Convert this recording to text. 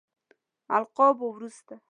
القابو وروسته.